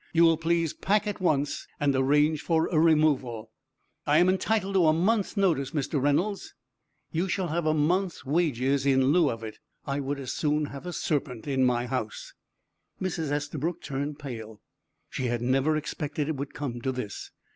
You will please pack at once, and arrange for a removal." "I am entitled to a month's notice, Mr. Reynolds." "You shall have a month's wages in lieu of it. I would as soon have a serpent in my house." Mrs. Estabrook turned pale. She had never expected it would come to this.